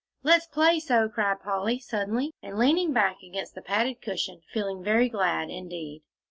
"Let's play so," cried Polly, suddenly, and leaning back against the padded cushion, feeling very glad indeed.